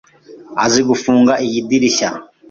Azi gufunga iyi idirishya.